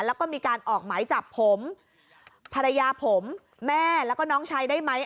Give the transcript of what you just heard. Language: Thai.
แล้วก็มีการออกหมายจับผมภรรยาผมแม่แล้วก็น้องชายได้ไหม